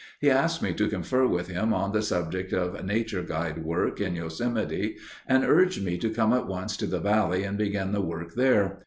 He asked me to confer with him on the subject of Nature Guide work in Yosemite and urged me to come at once to the valley and begin the work there.